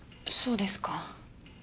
そうですか。